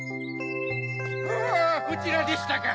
あぁこちらでしたか。